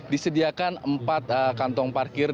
disediakan empat kantong parkir